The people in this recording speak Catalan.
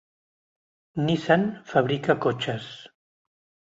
Nissan fabrica cotxes.